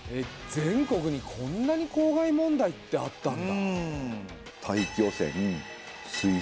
全国にこんなに公害問題ってあったんだ。